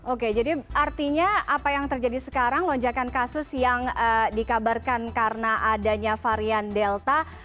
oke jadi artinya apa yang terjadi sekarang lonjakan kasus yang dikabarkan karena adanya varian delta